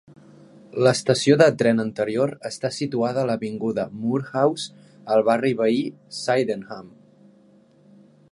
L'estació de tren anterior està situada a l'avinguda Moorhouse al barri veí Sydenham.